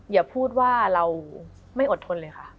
อย่าพูดว่าเราไม่อดทนเลยค่ะ